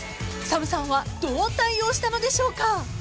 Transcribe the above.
［ＳＡＭさんはどう対応したのでしょうか？］